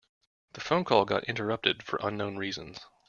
The phone call got interrupted for unknown reasons.